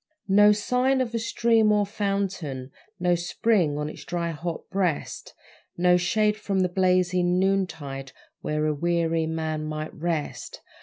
No sign of a stream or fountain, No spring on its dry, hot breast, No shade from the blazing noontide Where a weary man might rest.